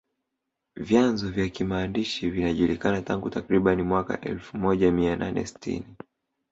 vyanzo vya kimaandishi vinajulikana tangu takriban mwaka elfu moja mia nane sitini